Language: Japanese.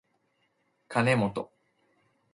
かねもと